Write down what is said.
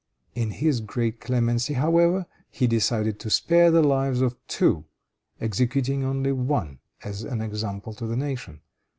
In his great clemency, however, he decided to spare the lives of two, executing only one as an example to the nation.